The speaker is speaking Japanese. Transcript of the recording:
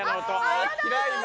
嫌い！